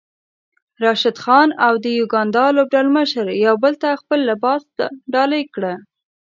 راشد خان او د يوګاندا لوبډلمشر يو بل ته خپل لباس ډالۍ کړی